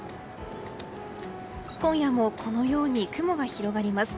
今夜もこのように雲が広がります。